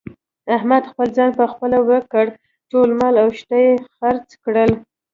احمد خپل ځان په خپله ورک کړ. ټول مال او شته یې خرڅ کړل.